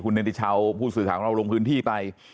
คุณเด็นติเช้าพูดสื่อข่าวเราลงพื้นที่ไป